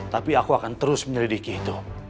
tapi aku akan terus menyelidiki itu